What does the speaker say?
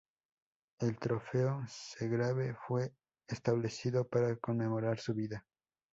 El Trofeo Segrave fue establecido para conmemorar su vida.